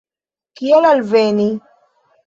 Kiel alveni?